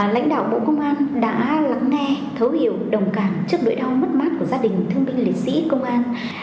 lãnh đạo bộ công an đã lắng nghe thấu hiểu đồng cảm trước đội đoan mất mát của gia đình thương minh liệt sĩ công an